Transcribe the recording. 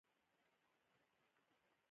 دوی غواړي تر ټولو معقوله پرېکړه ونیسي.